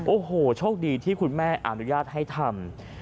โอ้โหโชคดีที่คุณแม่อนุญาตให้ทำ